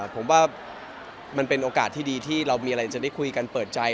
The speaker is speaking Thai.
ผมว่ามันเป็นโอกาสที่ดีที่เรามีอะไรจะได้คุยกันเปิดใจ